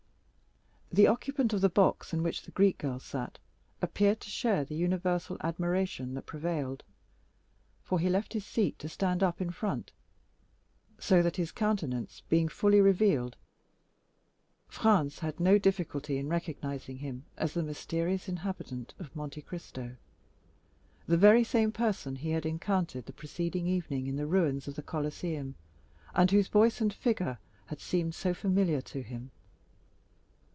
The occupant of the box in which the Greek girl sat appeared to share the universal admiration that prevailed; for he left his seat to stand up in front, so that, his countenance being fully revealed, Franz had no difficulty in recognizing him as the mysterious inhabitant of Monte Cristo, and the very same person he had encountered the preceding evening in the ruins of the Colosseum, and whose voice and figure had seemed so familiar to him.